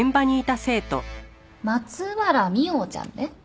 松原未央ちゃんね。